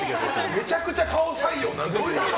めちゃくちゃ顔採用なんでしょ。